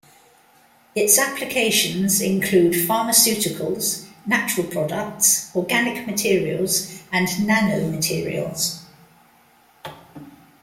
Its applications include pharmaceuticals, natural products, organic materials, and nanomaterials.